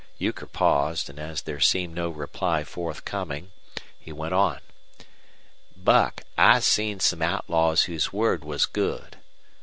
Euchre paused, and, as there seemed no reply forthcoming, he went on: "Buck, I've seen some outlaws whose word was good.